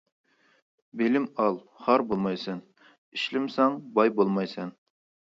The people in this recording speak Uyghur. بىلىم ئال خار بولمايسەن، ئىشلىمىسەڭ باي بولمايسەن.